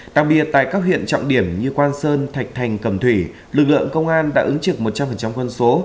đặc biệt tại các huyện trọng điểm như quang sơn thạch thành cầm thủy lực lượng công an đã ứng trực một trăm linh quân số